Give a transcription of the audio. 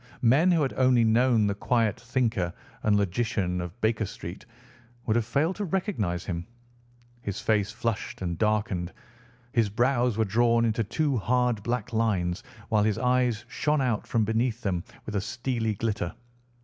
Men who had only known the quiet thinker and logician of Baker Street would have failed to recognise him. His face flushed and darkened. His brows were drawn into two hard black lines, while his eyes shone out from beneath them with a steely glitter.